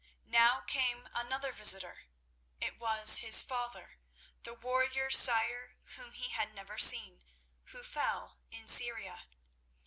Now came another visitor. It was his father—the warrior sire whom he had never seen, who fell in Syria.